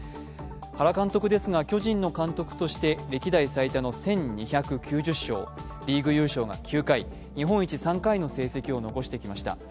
原監督ですが、巨人の監督として歴代最多の１２９０勝、リーグ優勝が９回を果たしてきました。